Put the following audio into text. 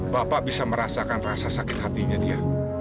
bapak bisa merasakan rasa sakit hatinya dia